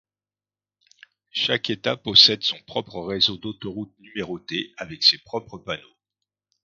Chaque État possède son propre réseau d'autoroutes numérotées, avec ses propres panneaux.